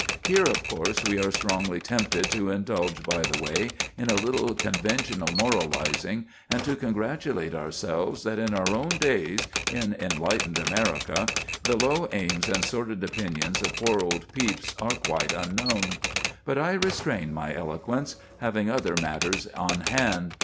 Here, of course, we are strongly tempted to indulge by the way in a little conventional moralizing, and to congratulate ourselves that in our own days, in enlightened America, the low aims and sordid ambitions of poor old Pepys are quite unknown. But I restrain my eloquence, having other matters on hand.